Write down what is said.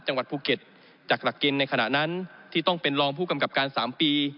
จังหวัดภูเก็ตจากหลักเกณฑ์ในขณะนั้นที่ต้องเป็นรองผู้กำกับการ๓ปี